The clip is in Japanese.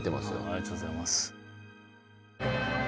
ありがとうございます。